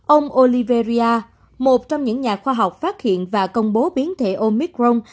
ông oliveria một trong những nhà khoa học phát hiện và công bố biến thể omicron